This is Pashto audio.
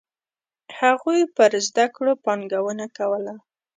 هغوی پر زده کړو پانګونه کوله.